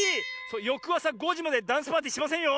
よくあさ５じまでダンスパーティーしませんよ！